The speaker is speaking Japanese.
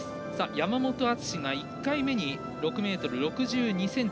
山本篤が１回目に６ｍ６２ｃｍ。